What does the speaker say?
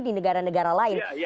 di negara negara lain